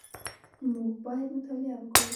موږ باید مطالعه وکړو